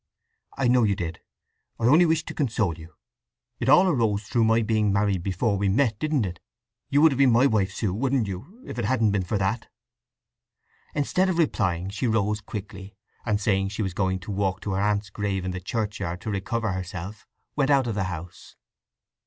"I know you did—I only wish to—console you! It all arose through my being married before we met, didn't it? You would have been my wife, Sue, wouldn't you, if it hadn't been for that?" Instead of replying she rose quickly, and saying she was going to walk to her aunt's grave in the churchyard to recover herself, went out of the house.